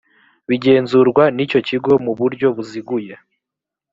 bigenzurwa n icyo kigo mu buryo buziguye